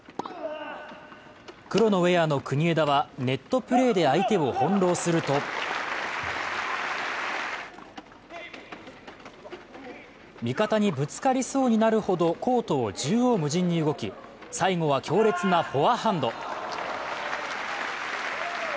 黒のウェアの国枝は、ネットプレーで相手を翻弄すると味方にぶつかりそうになるほどコートを縦横無尽に動き、最後は強烈なフォアハンド。